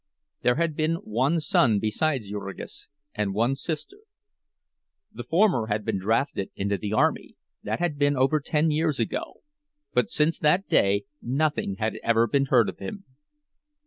There had been one son besides Jurgis, and one sister. The former had been drafted into the army; that had been over ten years ago, but since that day nothing had ever been heard of him.